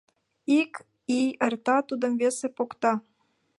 Ик ий эрта, тудым весе покта.